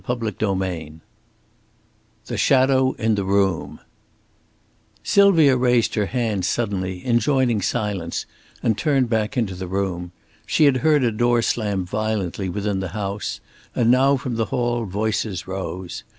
CHAPTER XIX THE SHADOW IN THE ROOM Sylvia raised her hand suddenly, enjoining silence, and turned back into the room. She had heard a door slam violently within the house; and now from the hall voices rose.